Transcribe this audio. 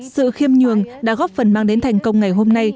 sự khiêm nhường đã góp phần mang đến thành công ngày hôm nay